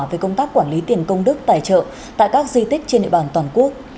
về công tác quản lý tiền công đức tài trợ tại các di tích trên địa bàn toàn quốc